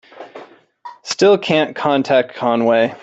Still can't contact Conway.